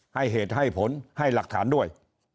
ให้เหตุให้ผลให้หลักฐานด้วย